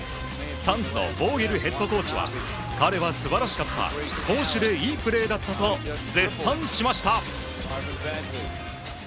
サンズのヴォーゲルヘッドコーチは彼は素晴らしかった攻守でいいプレーだったと絶賛しました。